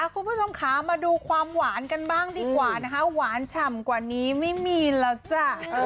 คุณผู้ชมค่ะมาดูความหวานกันบ้างดีกว่านะคะหวานฉ่ำกว่านี้ไม่มีแล้วจ้ะ